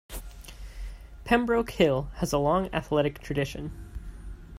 Pembroke Hill has a long athletic tradition.